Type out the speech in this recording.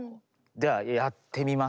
ではやってみます。